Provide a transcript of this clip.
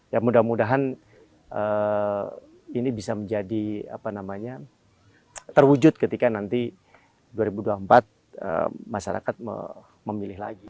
ya mudah mudahan ini bisa menjadi apa namanya terwujud ketika nanti dua ribu dua puluh empat masyarakat memilih lagi